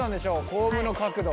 コームの角度。